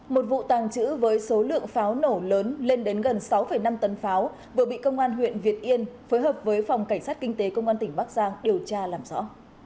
một vụ tàng trữ với số lượng pháo nổ lớn lên đến gần sáu năm tấn pháo vừa bị công an huyện việt yên phối hợp với phòng cảnh sát kinh tế công an tỉnh bắc giang điều tra làm rõ